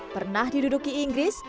pernah diduduki inggris